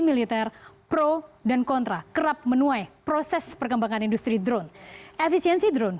militer pro dan kontra kerap menuai proses perkembangan industri drone efisiensi drone